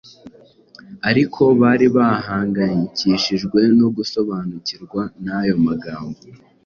ariko bari bahangayikishijwe no gusobanukirwa n’ayo magambo.